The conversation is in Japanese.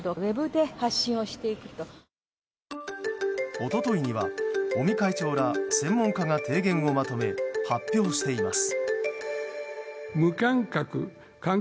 一昨日には尾身会長ら専門家が提言をまとめ、発表しています。